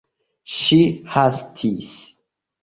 Ŝi hastis.